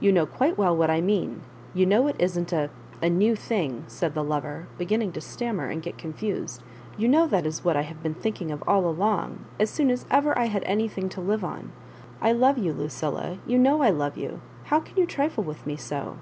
You know quite well what I mean ; you know it isn't a — a new thing," said the loVer, beginning to stammer and get confused. " You know that is what I have been thinking of all along, as soon as ever I had anything to live on. I love you, Lucilla ; you know I love you 1 how can you trifle with me so?"